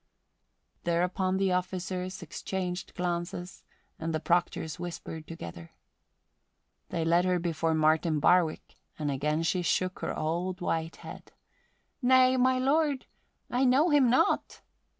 Thereupon the officers exchanged glances and the proctors whispered together. They led her before Martin Barwick and again she shook her old white head. "Nay, my lord, I know him not."